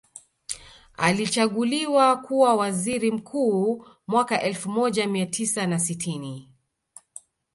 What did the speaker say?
Alichaguliwa kuwa waziri mkuu mwaka elfu moja mia tisa na sitini